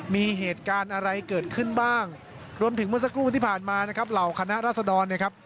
มีเหตุการณ์อะไรเกิดขึ้นบ้างรวมถึงเมื่อสักครู่ที่ผ่านมานะครับ